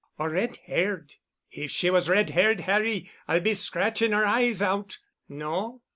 Or red haired? If she was red haired, Harry, I'll be scratching her eyes out. No?"